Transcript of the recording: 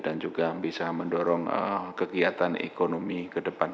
dan juga bisa mendorong kegiatan ekonomi ke depan